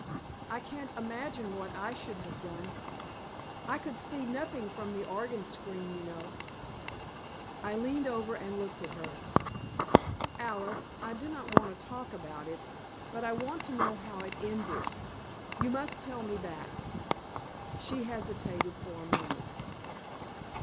I can't imagine what I should have done. I could see nothing from the organ screen, you know." I leaned over and looked at her. "Alice, I do not want to talk about it, but I want to know how it ended. You must tell me that." She hesitated for a moment.